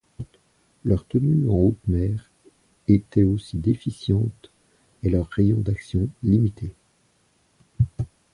Leur tenue en haute mer était aussi déficiente et leur rayon d'action limité.